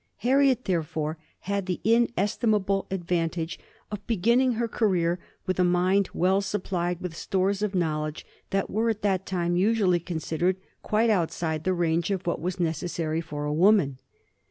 Harriet therefore had the inestimable advantage of beginning her career with a mind well equipped with stores of knowledge that were at that time usually considered quite outside the range of what was necessary for a woman.